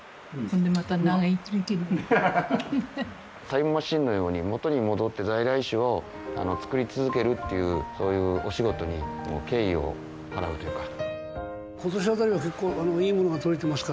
タイムマシンのように元に戻って在来種を作り続けるというそういうお仕事に敬意を払うというか。